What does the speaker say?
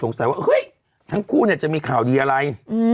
ว่าเฮ้ยทั้งคู่เนี่ยจะมีข่าวดีอะไร